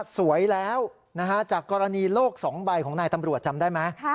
สวยแล้วจากกรณีโลก๒ใบของนายตำรวจจำได้ไหม